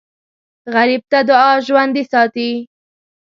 غریب ته دعا ژوندي ساتي